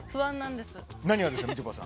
何がですか、みちょぱさん。